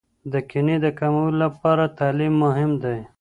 د کینې د کمولو لپاره تعلیم مهم دی.